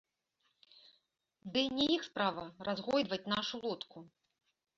Дый не іх справа разгойдваць нашу лодку.